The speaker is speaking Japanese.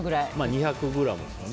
２００ｇですもんね。